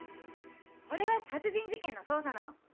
これは殺人事件の捜査なの！